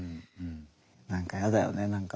何か嫌だよね何か。